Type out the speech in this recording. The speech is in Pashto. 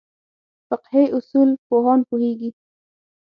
فقهې اصولو پوهان پوهېږي.